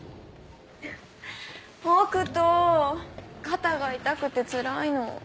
肩が痛くてつらいの。